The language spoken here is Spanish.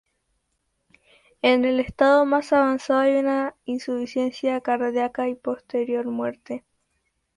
En el estado más avanzado hay una insuficiencia cardíaca y posterior muerte.